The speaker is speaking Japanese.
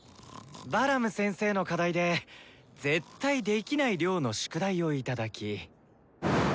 バラム先生の課題で絶対できない量の宿題を頂き。